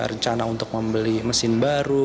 rencana untuk membeli mesin baru